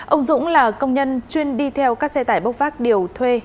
ông dũng là công nhân chuyên đi theo các xe tải bốc vác điều thuê